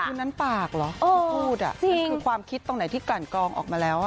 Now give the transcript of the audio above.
คือนั้นปากหรอพูดอ่ะคือความคิดตรงไหนที่ก่อนกองออกมาแล้วอ่ะ